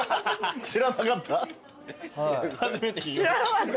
知らなかった？